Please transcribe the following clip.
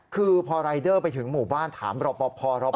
คือพอรายเดอร์ไปถึงหมู่บ้านถามรอปภ